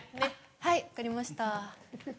はいわかりました。